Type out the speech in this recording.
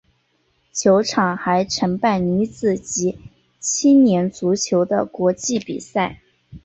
球场还承办女子及青年足球的国际比赛。